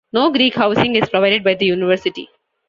No Greek housing is provided by the university.